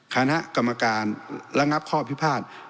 คณะกรรมการระงับข้อพิพาท